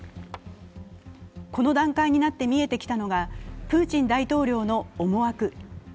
この段階になって見えてきたのがプーチン大統領の思惑。